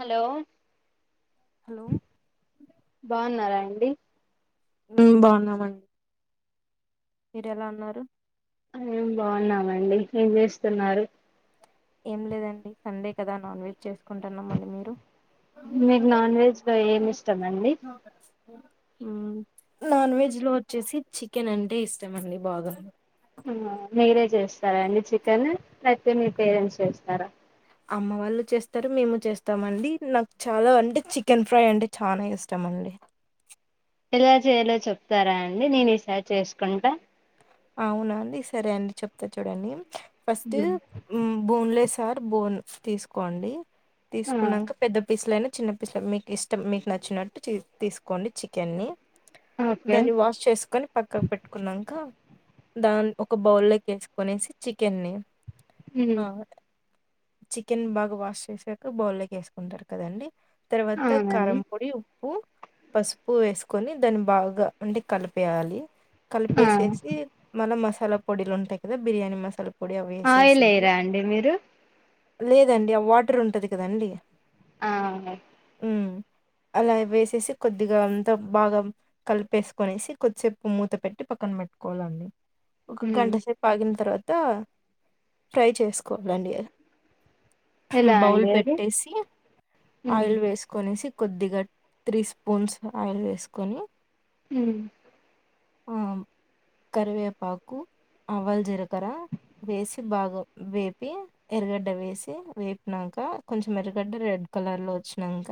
Hello hello బాగున్నారా అండి బాగున్నామండి మీరు ఎలా ఉన్నారు బాగున్నామండి ఏం చేస్తున్నారు ఏం లేదండి సండే కదా నాన్ వెజ్ చేసుకుంటున్నాం అండి మీరు మీకు నాన్ వెజ్ లో ఏమి ఇష్టమండి నాన్ వెజ్ లో వచ్చేసి చికెన్ అంటే ఇష్టం అండి బాగా మీరే చేస్తారా అండి చికెన్ లేకపోతే మీ పేరెంట్స్ చేస్తారా అమ్మ వాళ్ళు చేస్తారు మేము చేస్తామ అండి నాకు చాలా అంటే చికెన్ ఫ్రై అంటే చాలా ఇష్టం అండి ఎలా చేయాలో చెప్తారా అండి నేను ఈసారి చేసుకుంటా అవునా అండి సరే అండి చెప్తా చూడండి ఫస్ట్ బోన్లెస్ ఆర్ బోన్ తీసుకోండి ఆ తీసుకున్నాక పెద్ద పీస్లయినా చిన్నపీస్ మీకు ఇష్టం మీకు నచ్చినట్టు తీసుకోండి చికెన్ని ఓకే దాన్ని వాష్ చేసుకొని పక్కకు పెట్టుకున్నాంక దాని ఒక బౌల్ లోకి వేసుకునేసి చికెన్ని ఆ చికెన్ బాగ వాష్ చేసాక బౌల్లో వేసుకుంటారు కదండి తర్వాత అవునండి కారం పొడి పసుపు వేసుకొని దాన్ని బాగా ఉంటే కలిపేయాలి ఆ కలిపేస మల్ల మసాలా పొడిలు ఉంటాయి కదా బిర్యానీ మసాల ఆయిల్ ఎయర అండి మీరు లేదండి ఆ వాటర్ ఉంటది కదండి ఆ హు అలా వేసేసి కొద్దిగా అంతా బాగా కలిపేసుకునేసి కొద్దిసేపు మూత పెట్టి పక్కన పెట్టు కోవలండి ఒక ఉమ్ గంట సేపు ఆగిన తర్వాత ఫ్రై చేసుకోలండి ఎలా బౌల్ అండి అది పెట్టేసి ఉమ్ ఆయిల్ వేసుకనేసి కొద్దిగా త్రీ స్పూన్స్ ఆయిల్ వేసుకొని హు ఆ కరివేపాకు అవాలు జీరకర వేసి బాగా వేపి ఎరగడ్డ వేసి వేపినక [unintelligible] కొంచెం మెరుగడ్డ రెడ్ కలర్ లో వచ్చినాంక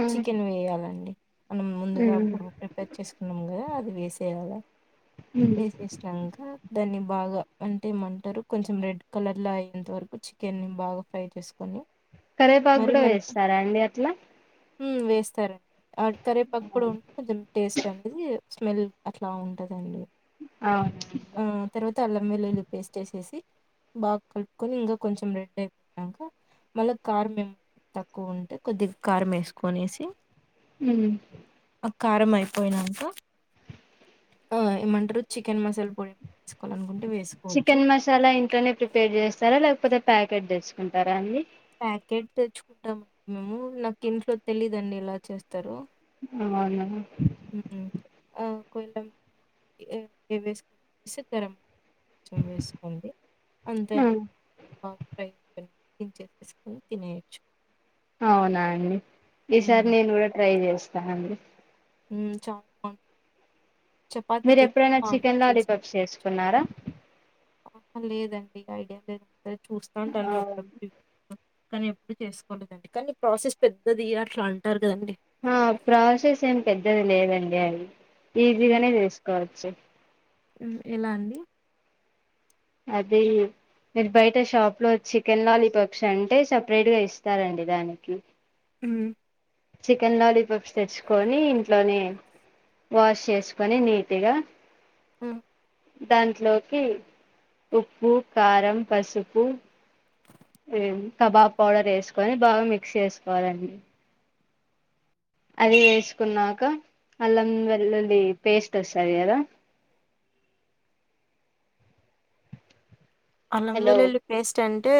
ఆ చికెన్ వేయాలండి మనం ముందుగా ఉమ్ అప్పుడు ప్రిపేర్ చేసుకున్నాం కదా అది ఉమ్ [unintelligible] దాన్ని బాగా అంటే ఏమంటారు కొంచెం రెడ్ కలర్ లో అయ్యేంత వరకు చికెన్ బాగా ఫ్రై చేసుకొని కరేపాకు మరి కూడా మనకి వేస్తారా అండి అట్లా వేస్తారండి ఆ కరేపాకు కూడా ఉంటే అ టేస్ట్ అనేది స్మెల్ అట్లా ఉంటదండి అవునా ఆ తర్వాత అల్లం వెల్లుల్లి పేస్ట్ వేసేసి బాగా కలుపుకొని ఇంకా కొంచెం రెడ్ అయిపోనాక మళ్ళా కారం తక్కువ ఉంటే కొద్దిగా కారు వేసుకొనేసి ఉ కారం అయిపోయినంకా ఆ ఏమంటారు చికెన్ మసాలా పొడి తీేసుకోవాలనుకుంట చికెన్ మసాలా ఇంట్లోనే ప్రిపేర్ చేస్తారా లేకపోతే ప్యాకెట్ తెచ్చుకుంటారా అండి ప్యాకెట్ తెచ్చుకుంటాం మేము నాకింట్లో తెలీదండి ఇలా చేస్తారు ఆ బాగున్నార ఉమ్ ఆ కొంచం [unintelligible] కొంచెం వేసుకోండి అంతే ఆ పా ఫ్రై చేసుకొని తినేయచ్చు అవునా అండి ఈసారి హ్మ్. నేన్ కూడా ట్రై చేస్తాన అండి మ్ చ మీరు ఎప్పుడైనా చికెన్ లాలీ పాప్ చేసుకున్నారా ఆ లేదండి ఐడియా లేదు సరే చూస్తా ఉంటాను అప్పుడ కానీ ఎప్పుడు చేసుకోలేదండి కానీ ప్రాసెస్ పెద్దది అట్ల అంటారు కదండి హ ప్రాసెస్ ఏమ్ పెద్దది లేదండి అవి హ్మ్. ఈజీగానే చేస్కోవచ్చు ఎలా అండి అదే మీరు బయట షాప్ లో చికెన్ లాలీపాప్స్ అంటే సపరేట్ గా ఇస్తారండి దానికి హు చికెన్ లాలీపాప్స్ తెచ్చుకొని ఇంట్లోనే వాష్ చేసుకొని నీట్ గ ఉ దాంట్లోకి ఉప్పు కారం పసుపు కబాబ్ పౌడర్ వేసుకొని బాగ మిక్స్ చేసుకోవాలండి అది వేసుకున్నాక అల్లం వెల్లుల్లి పేస్ట్ వస్తది కదా అల్లం హలో వెల్లుల్లి పేస్ట్ అం అ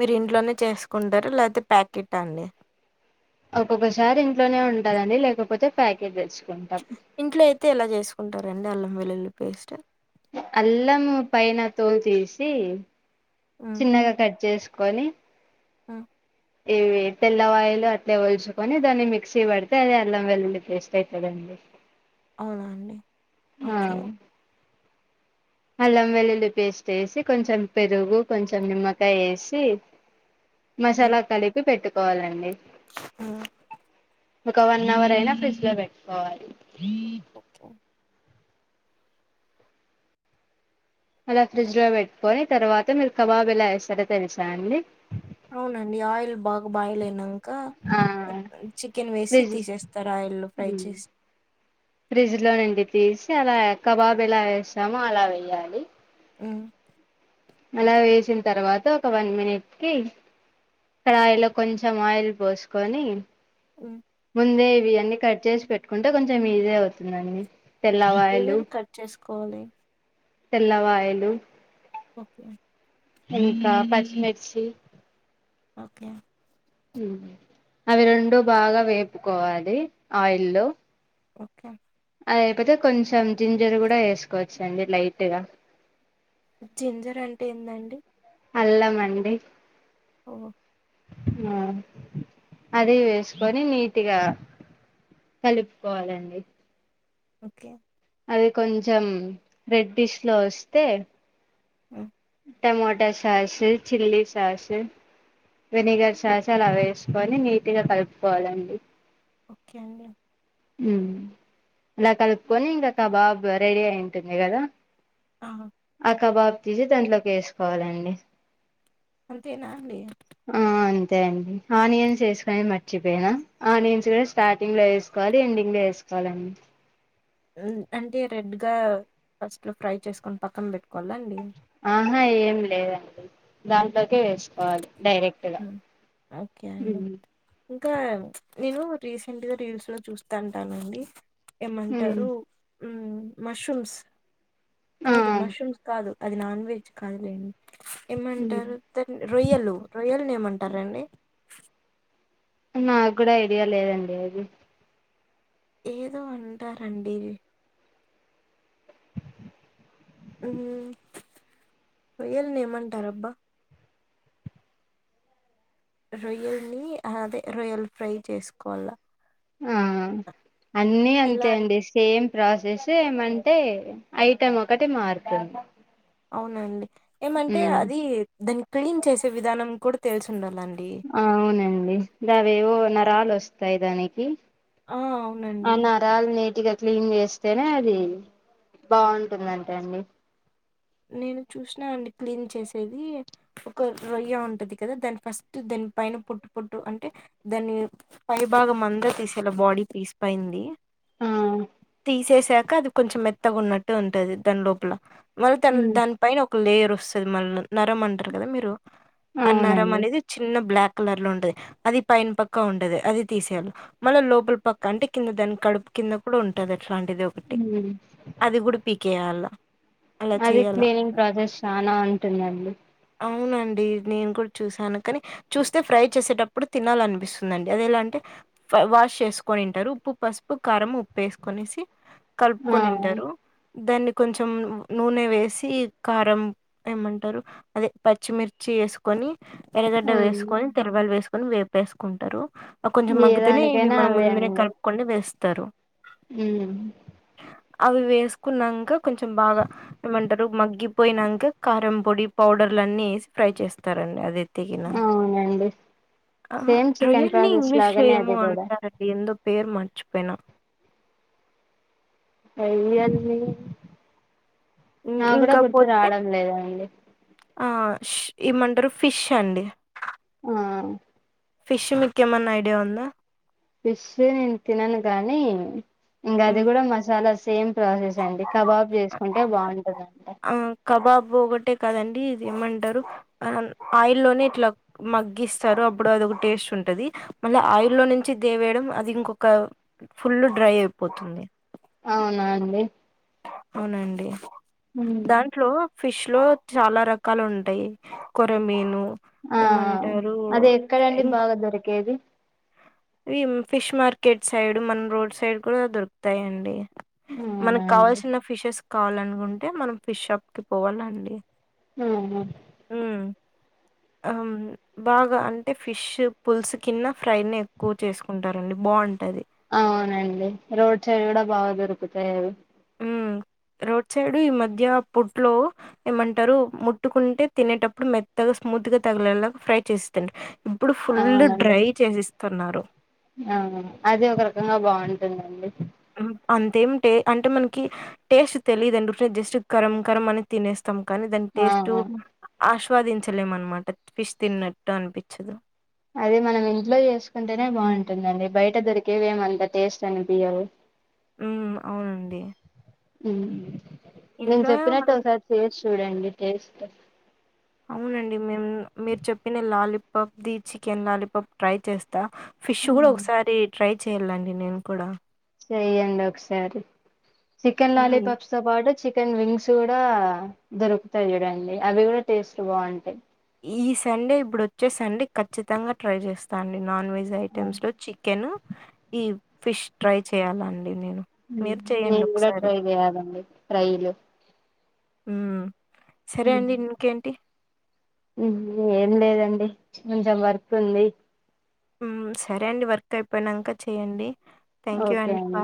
మీరు ఇంట్లోనే చేసుకుంటారు లేతే ప్యాకిట్ అండి ఒక్కొక్కసారి ఇంట్లోనే ఉంటదండి లేకపోతే ప్యాకేట్ తెచ్ ఇంట్లో అయితే ఇలా చేసుకుంటారంండి అల్లం వెల్లుల్లి పేస్ట్ అల్లము పైన తోలు తీసి చిన్నగా కట్ చేస్ కొని అ ఇవి తెల్ల ఆయిల్ అట్లే ఒల్చుకొని దాన్ని మిక్సీ పడితే అది అల్లం వెల్లుల్లి పేస్ట్ అవుతదండి అవునా అండి ఆ ఓకే. అల్లం వెల్లుల్లి పేస్ట్ వేసి కొంచం పెరుగు కొంచం నిమ్మకాయ వేసి మసాల కలిపి పెట్టుకోవాలండి అ ఒక వన్ అవర్ అయినా ఫ్రిడ్జ్ లో పెట్టుకోవాల్ ఓకే. అలా ఫ్రిడ్జ్ లో పెట్టుకొని తర్వాత మీర్ కబాబ్ ఎలా వేస్తారో తెలిసా అండి అవునండి ఆయిల్ బాగ బాయిల్ అయినా ఇకా ఆ చికెన్ వేసి ఫ్రిడ్జ్ తీసేస్తార ఆయిల్ లో ఫ్రై చేసి ఫ్రిడ్జ్ లో నుండి తీసి అలా కబాబ్ ఎలా వేస్తామో అలా వేయాలి అ అలా వేసిన్ తర్వాత ఒక వన్ మినిట్ కి కడాయిలో కొంచెం ఆయిల్ పోసుకొని మ్ ముందే ఇవన్నీ కట్ చేసి పెట్టుకుంటే కొంచెం ఈజే అవుతుందండి తెల్లవాయలు ఎవేవి కట్ చేసుకోవాలి తెల్లవాయలు ఓకె ఇంకా పచ్చిమిర్చి ఓకే అవి రెండు బాగా వేపుకోవాలి ఆయిల్లో ఓకే అదయ్ పోతే కొంచెం జింజర్ కూడా వేసుకోవచ్చు అండి లైట్గా జింజర్ అంటే ఏందండి అల్లమండి ఓ ఆ అదే వేసుకొని నీట్ గా కలుపుకోవాలండి ఓకే అది కొంచెం రెడ్ డిష్ లో వస్తే ఆ టమోటో సాస్ చల్లి సాస్ వినిగర్ శస్ అలా వేసుకొని నీట్ గా కలుపుకోవాలండి ఓకే అండి ఉమ్ అలా కలుపుకొని ఇంకాకా బాబా రెడీ అయి ఉంటుంది కదా ఆవ్ ఆ కబాబ్ తీసి దాంట్లోకి వేసుకోవాలండి అంతేనా అండి ఆ అంతే అండి ఆనియన్స్ వేసుకోని మర్చిపోయినా ఆనియన్స్ కూడా స్టార్టింగ్ లో వేసుకు కాది అండి ఇంకా వేసుకోవాలండి అంటే రెడ్ గా ఫస్ట్ లో ఫ్రై చేసుకొని పక్కన పెట్టుకోవాలండి ఆహా ఏం లేదండి దాంట్లోకె వేసుకోవాలి డైరెక్టుగా మ్మ్ ఓకే అండి ఇంకా నేను రీసెంట్ గా రీల్స్ లో చూస్తా ఉంటానండి ఉమ్ ఏమంటరు ఉమ్ మష్రూమ్స్ ఆ కాదు మష్రూమ్స్ కాదు అది నాన్ వెజ్ కాదులేండి ఏమంటారు రొయ్యలు ని ఏమంటారండి నాకు కూడా ఐడియా లేదండి అది ఏదో అంటారండి ఉమ్మ్ రొయ్యలిని ఏమంటారబ్బా రొయ్యల్ ని అదే రొయ్యల్ ఫ్రై చేసుకోవాలా ఉమ్మ్ అన్నీ ఇలా అంతే అన్- అండి సేమ్ ప్రాసెస్ ఏమంటే ఐటం ఒకటి మారుతుంది అవునా అండి ఏమంటే ఉమ్ అది దాన్ని క్లీన్ చేసే విధానం కూడా తెలిసి ఉండాలి ఆ అవునండి గవేవో నరాలు వస్తాయి దానికి ఆ అవునండి అనా రాల లేట్ గా క్లీన్ చేస్తేనే అది బాగుంటుందంట అండి నేను చూసినా అండి క్లీన్ చేసేది ఒక రొయ్య ఉంటది కదా దాని ఫస్ట్ తెలు ద పైన పుట్టు పుట్టు అంటే దాన్ని పై బాగం మంద తీసేలా బాడీ పీస్ పైంది ఆ తీసేసాక అది కొంచెం మెత్తగ ఉన్నట్టు ఉంటది దాని లోపల త ఉమ్ దాని పైన ఒక లేయర్ వస్తుంది మళ్ళ నరం అంటారు కదా మీరు ఆ నరం అవునండి అనేది చిన్న బ్లాక్ కలర్ లో ఉంటది అది పైన పక్క ఉంటది అది తీసేయాలి మళ్ళీ లోపల పక్క అంటే కింద దాని కడుపు కింద కూడా ఉంటది అట్లాంటిది ఒకటి ఉమ్ అది కూడా పీకేయాల అలా అది చేయాల క్లీనింగ్ ప్రాసెస్ చాన ఉంటుందండి అవునండి నేను కూడా చూసాను కాని చూస్తే ఫ్రై చేసేటప్పుడు తినాలనిపిస్తుందండి అది ఎలా అంటే వాష్ చేసుకొనింటారు ఉప్పు, పసుపు, కారం, ఉప్పు వేసుకునేసి ఆ కలుపుకొనింటారు దాన్ని కొంచెం నూనె వేసి కారం ఏమంటారు అదే పచ్చిమిర్చి వేసుకొని ఎరగడ్డ ఉమ్ వేసుకొని తెల్లవాలు వేసుకొని వేపేసుకుంటారు కొంచెం ఏ మగుతేనే ఇవి దానికైనా మన ముందునే కలుపుకొని వేస్తారు ఉ హు అవి వేసుకున్నాక కొంచెం బాగా ఏమంటారు మగ్గిపోయినాక కారం పొడి పౌడర్లు అన్ని వేసి ఫ్రై చేస్తారండి అది తగిన అవునండి ఆ సేమ్ చికెన్ రొయని ప్రాసెస్ ఇంగ్లీష్ లాగానే ఏమో అది కూడా అంటారండి ఎందు పేరు మార్చిపోనా పైవి అన్ని ఇం నా కూడా ఇంకా గుర్తు పోతే రావడం లేదఅండి ఇమంటారు ఫిష్ అండి ఆ ఫిష్ ఈకేమన్నా ఐడియా ఉందా ఫిష్ నేను తినను గానీ ఇంకా అది ఉమ్ కూడా మసాలా సేమ్ ప్రసేస్ అడి కబాబ్ చేసుకుంటే బాగుంటుందండి కదండి ఇది ఏమంటారు ఆయిల్ లోనే ఇట్లా మగ్గిస్తారు అప్పుడు అదొక టేస్ట్ ఉంటుంది ఉంటది మళ్ళీ ఆయిల్ నుంచి దేవేయడం అది ఇంకొక ఫుల్ డ్రై అయిపోతుంది అవునా అండి అవునండి ఉమ్ దాంట్లో ఫిష్ లో చాలా రకాలు ఉంటాయి కొరమీను ఆ ఏమంటారు అది ఎక్కడండి ఇంకా బాగా దొరికేది ఇవి ఫిష్ మార్కెట్ సైడ్ మన రోడ్ సైడ్ కూడా దొరుకుతాయండి అవునా మనకు అండి కావాల్సిన ఫిషెస్ కావాలనుకుంటే మనం ఫిష్ షాప్ కి పోవాలండి అవునా ఉ ఆ బాగా అంటే ఫిష్ పులుసు కింద ఫ్రై ని ఎక్కువ చేసుకుంటారండి బాగుంటది అవునండి రోడ్ సైడ్ కూడా బాగా దొరుకుతాయి అవి హ్మ్. రోడ్ సైడ్ ఈ మధ్య పుట్లో ఏమంటారు ముట్టుకుంటే తినేటప్పుడు మెత్తగా స్మూత్ గా తగిలేలా ఫ్రై చేస్తు ఇప్పుడు ఫుల్ అవునండి డ్రై చేసిస్తున్నారు ఆ అది ఒక రకంగా బాగుంటుందండి అంతేమి అంటే మనకి టేస్ట్ తెలిదు ఆడీ జస్ట్ కరం కరం అని తినేస్త కానీ దాని ఆ టేస్ట్ ఆస్వాదించలేం అనమాట ఫిష్ తిన్నట్టు అనిపించదు అది మనం ఇంట్లో చేసుకుంటేనే బాగుంటంది ఉంటుందండి బయట దొరికేవే ఏమంత టేస్ట్ అనిపించవు ఉ అవునండి నేను ఇంట్లో చెప్పినట్టు మనం ఒకసారి చేసి చూడండి టేస్ట్ అవునండి మేము మీరు చెప్పిన లాలీపాప్ ది చికెన్ లాలీపాప్ ట్రై చేస్తాం ఫిష్ కూడా ఉమ్ ఒకసారి ట్రై చెయాలండి నేను కూడా చెయ్యండి ఒకసారి చికెన్ హ్మ్. లాలీపాప్స్ తో పాటు చె చికెన్ రింగ్స్ కూడా దొరుకుతాయి చూడండి అవి కూడా టేస్ట్ బాగుంటాయి ఈ సండే ఇప్పుడు వచ్చే సండే ఖచ్చితంగా ట్రై చేస్తాండి నాన్ వెజ్ ఐటెమ్స్ లో చికెన్ ఈ ఫిష్ ట్రై చేయాలండి నేను. మీరు నేను కూడా చేయండొకసారి. ట్రై చేయాలండి ట్రైలు ఉ ఏం లేదండి కొంచెం వర్క్ ఉంది సరే అండి వర్క్ అయిపోయినాక చెయండి ఓకే అండి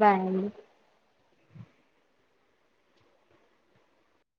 బాయ్ అండి